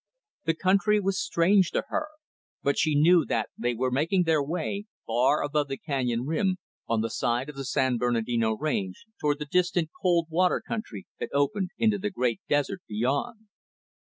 The country was strange to her, but she knew that they were making their way, far above the canyon rim, on the side of the San Bernardino range, toward the distant Cold Water country that opened into the great desert beyond.